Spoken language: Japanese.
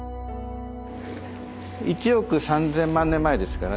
１億３，０００万年前ですからね